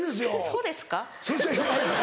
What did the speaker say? そうですか。